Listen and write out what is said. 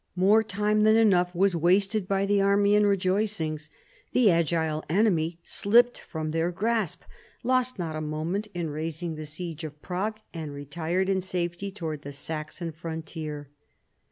More time than enough was wasted by the army in rejoicings. The agile enemy slipped from their grasp, lost not a moment in raising the siege of Prague, and retired in safety towards the Saxon frontier.